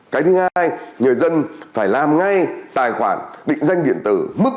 cái thứ hai người dân phải làm ngay tài khoản định danh điện tử mức